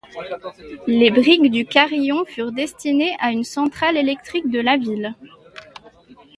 Les briques du carillon furent destinées à une centrale électrique de la ville.